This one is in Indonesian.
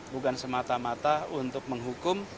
bukan semata mata untuk menghukum